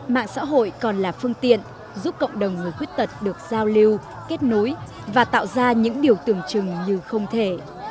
mạng xã hội còn là phương tiện giúp cộng đồng người khuyết tật được giao lưu kết nối và tạo ra những điều tưởng chừng như không thể